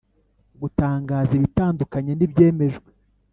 Gutangaza ibitandukanye n ibyemejwe